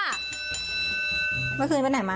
เมื่อคืนไปไหนมา